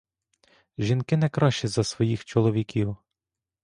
Жінки не кращі за своїх чоловіків.